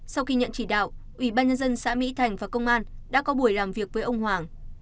sau khi nhận chỉ đạo ủy ban nhân dân xã mỹ thành và công an đã có buổi làm việc với ông hoàng